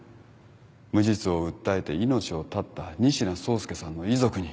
無実を訴えて命を絶った仁科壮介さんの遺族に。